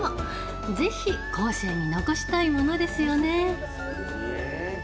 ぜひ、後世に残したいものですよね。